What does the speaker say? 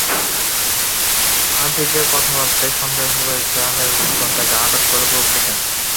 আতিকের কথাবার্তায় সন্দেহ হলে গ্রামের লোকজন তাঁকে আটক করে পুলিশে দেন।